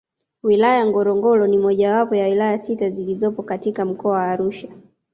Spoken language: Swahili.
Wilaya Ngorongoro ni mojawapo ya wilaya sita zilizopo katika Mkoa wa Arusha